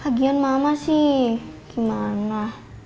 lagian mama sih gimana